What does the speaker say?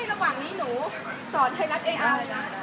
ในระหว่างนี้หนูสอนไทยรัฐอีอาร์